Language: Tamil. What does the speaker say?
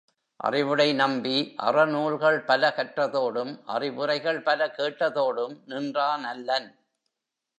அறிவுடை நம்பி அறநூல்கள் பல கற்றதோடும், அறிவுரைகள் பல கேட்டதோடும் நின்றானல்லன்.